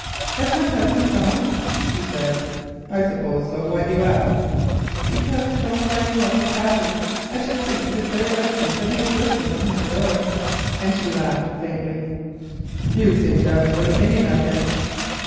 "Has my husband gone?" she said. "I suppose so. Why do you ask?" "Because from what I know of his habits I should think it very likely that he is listening behind the door," and she laughed faintly. "You seem to have a good opinion of him."